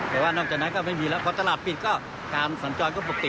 แต่ว่านอกจากนั้นก็ไม่มีแล้วพอตลาดปิดก็การสัญจรก็ปกติ